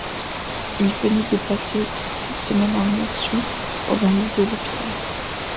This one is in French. Il venait de passer six semaines à Montsou, dans un lit de l’hôpital.